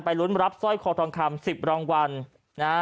ลุ้นรับสร้อยคอทองคำ๑๐รางวัลนะฮะ